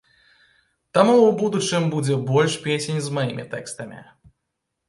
Таму ў будучым будзе больш песень з маімі тэкстамі.